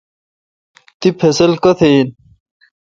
تی فصل کتہ این؟